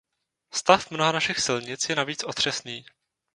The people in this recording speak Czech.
Stav mnoha našich silnic je navíc otřesný.